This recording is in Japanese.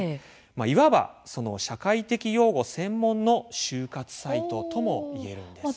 いわば社会的養護専門の就活サイトともいえるんです。